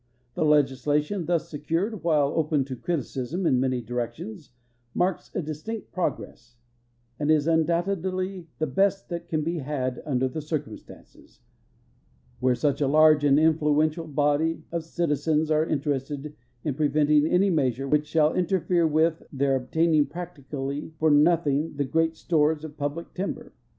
The legislation thus secured, while open to criticism in many directions, marks a distinct progress and is undouhtedly the hest that can he had under the circumstances, where such a large and influential hody of citi zens are interested in preventing any measure which sliall inter fere with their ohtaining practically for nothing the great stores of puhlic timher.